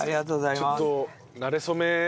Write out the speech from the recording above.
ちょっとなれ初め。